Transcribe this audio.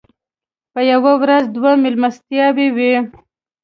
په یوه ورځ دوه مېلمستیاوې وې.